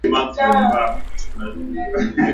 washindani wote.